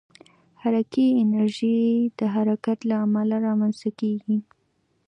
حرکي انرژي د حرکت له امله رامنځته کېږي.